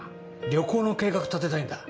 旅行の計画立てたいんだ。